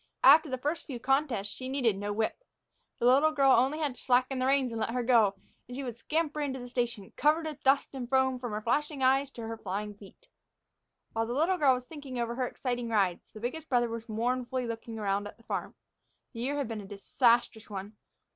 After the first few contests, she needed no whip. The little girl had only to slacken the reins and let her go, and she would scamper into the station, covered with dust and foam from her flashing eyes to her flying feet. While the little girl was thinking over her exciting rides, the biggest brother was mournfully looking around at the farm. The year had been a disastrous one.